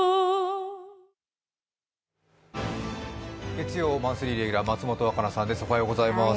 月曜マンスリーレギュラー、松本若菜さんです。